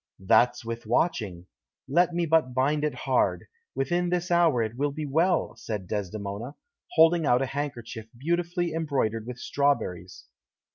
"That's with watching. Let me but bind it hard; within this hour it will be well," said Desdemona, holding out a handkerchief beautifully embroidered with strawberries.